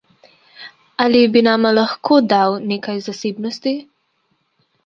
Ali bi nama lahko dal nekaj zasebnosti?